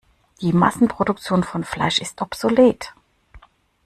Die Massenproduktion von Fleisch ist obsolet.